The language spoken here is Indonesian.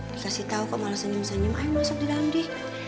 dikasih tahu kok malah senyum senyum ayo masuk di dalam bi